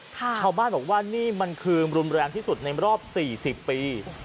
ชาวบ้านบอกว่านี่มันคือรุนแรงที่สุดในรอบ๔๐ปี